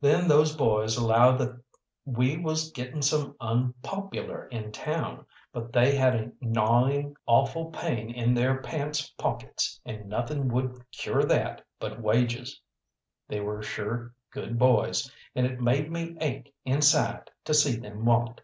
Then those boys allowed that we was getting some unpopular in town, but they had a gnawing awful pain in their pants pockets, and nothing would cure that but wages. They were sure good boys, and it made me ache inside to see them want.